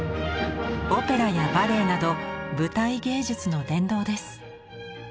オペラやバレエなど舞台芸術の殿堂です。